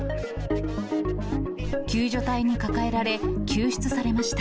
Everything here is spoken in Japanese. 救助隊に抱えられ、救出されました。